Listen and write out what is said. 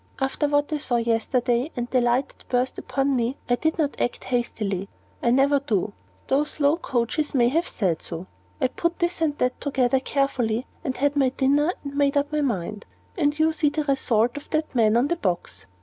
After what I saw yesterday, and the light that burst upon me, I did not act hastily I never do, though slow coaches may have said so. I put this and that together carefully, and had my dinner, and made up my mind. And you see the result in that man on the box."